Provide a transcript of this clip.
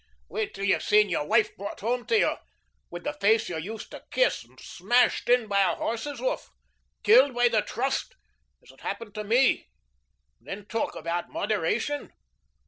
Wait till you've seen your wife brought home to you with the face you used to kiss smashed in by a horse's hoof killed by the Trust, as it happened to me. Then talk about moderation!